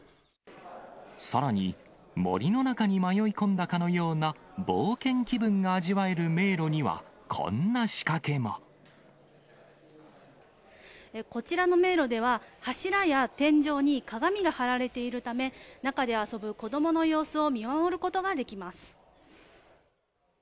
さらに、森の中に迷い込んだかのような冒険気分が味わえる迷路には、こちらの迷路では、柱や天井に鏡が貼られているため、中で遊ぶ子どもの様子を見守ることができます。